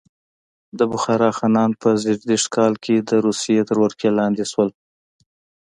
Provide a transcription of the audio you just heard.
د بخارا خانان په زېږدیز کال د روسیې تر ولکې لاندې شول.